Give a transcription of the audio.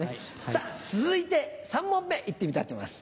さぁ続いて３問目行ってみたいと思います。